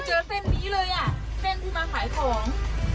เส้นนี้เลยอ่ะเส้นที่มาขายของ